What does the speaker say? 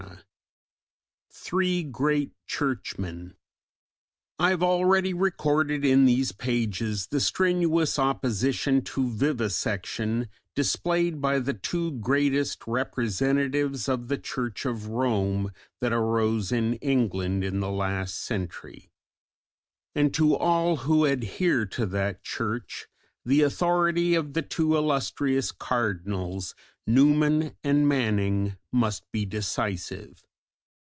CHAPTER XI: THREE GREAT CHURCHMEN I have already recorded in these pages the strenuous opposition to vivisection displayed by the two greatest representatives of the Church of Rome that arose in England in the last century; and to all who adhere to that Church the authority of the two illustrious Cardinals Newman and Manning must be decisive.